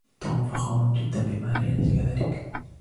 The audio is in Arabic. توم فخور جدا بماري أليس كذلك؟